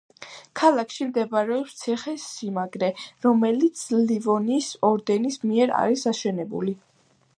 ქალაქში მდებარეობს ციხესიმაგრე, რომელიც ლივონიის ორდენის მიერ არის აშენებული.